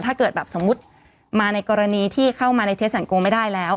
ถ้าเกิดแบบสมมุติมาในกรณีที่เข้ามาในเทสสันโกไม่ได้แล้ว